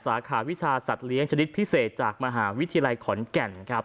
สาขาวิชาสัตว์เลี้ยงชนิดพิเศษจากมหาวิทยาลัยขอนแก่นครับ